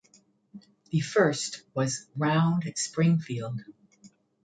The first was "Round Springfield".